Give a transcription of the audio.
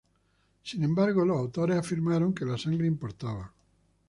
Sin embargo, los autores afirmaron que la sangre importaba.